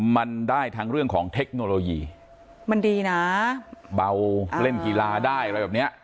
มันได้ทั้งเรื่องของเทคโนโลยีมันดีนะเบาเล่นกีฬาได้อะไรแบบเนี้ย